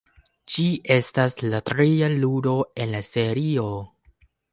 Ĝi estas la tria ludo en la serio.